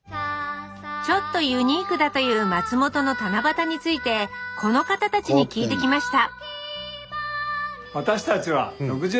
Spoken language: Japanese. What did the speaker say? ちょっとユニークだという松本の七夕についてこの方たちに聞いてきました